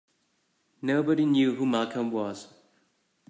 Nobody knew who Malcolm was.